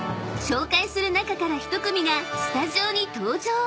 ［紹介する中から１組がスタジオに登場！］